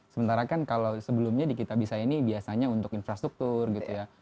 sementara kan kalau sebelumnya di kitabisa ini biasanya untuk infrastruktur gitu ya